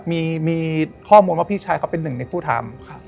มีข้อมูลว่าพี่ชายเขาเป็นหนึ่งในผู้ทำ